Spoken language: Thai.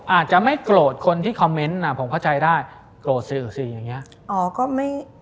อาจจะไม่โกรธคนที่คอมเมนต์ผมเข้าใจได้โกรธสื่อสิอย่างนี้